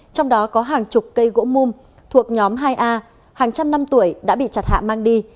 trong đó có hàng chục cây gỗ mum thuộc nhóm hai a hàng trăm năm tuổi đã bị chặt hạ mang đi